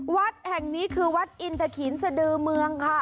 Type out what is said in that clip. วัดแห่งนี้คือวัดอินทะขินสดือเมืองค่ะ